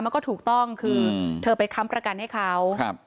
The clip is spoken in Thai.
มันก็ถูกต้องคือเธอไปค้ำประกันให้เขาครับ